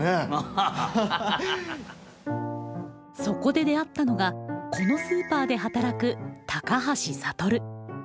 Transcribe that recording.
そこで出会ったのがこのスーパーで働く高橋羽。